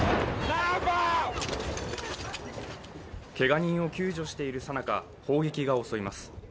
けが人を救助しているさなか、砲撃が襲います。